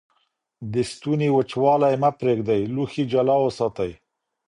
د ستوني وچوالی مه پرېږدئ. لوښي جلا وساتئ.